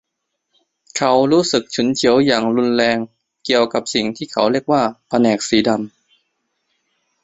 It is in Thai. เขารู้สึกฉุนเฉียวอย่างรุนแรงเกี่ยวกับสิ่งที่เขาเรียกว่าแผนกสีดำ